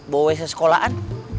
bawa gue ke sekolahan